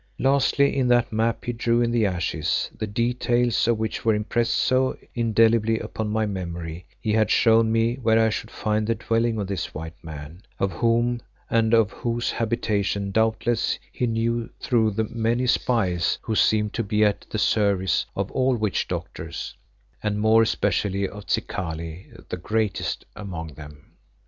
Lastly in that map he drew in the ashes, the details of which were impressed so indelibly upon my memory, he had shown me where I should find the dwelling of this white man, of whom and of whose habitation doubtless he knew through the many spies who seemed to be at the service of all witch doctors, and more especially of Zikali, the greatest among them.